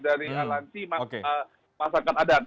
dari aliansi masyarakat adat